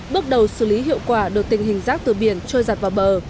bước đầu xử lý hiệu quả được tình hình rác từ biển trôi giặt vào bờ